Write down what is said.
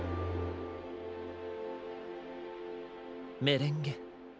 メレンゲ。